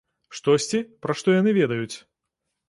Штосьці, пра што яны ведаюць.